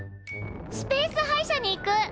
スペース歯医者に行く！